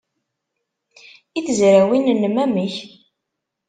I tezrawin-nnem, amek?